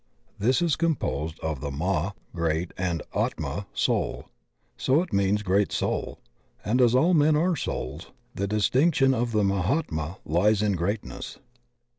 This is composed of Maha great and Atma soul; so it means great soul, and as all men are souls the distinction of the Mahatma lies in greatness.